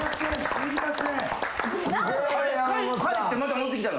一回帰ってまた戻ってきたの？